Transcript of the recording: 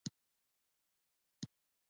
خو دلته زبېښونکي بنسټونو ځان را ژوندی کړ.